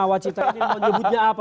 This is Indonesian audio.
nah wacita ini mau nyebutnya apa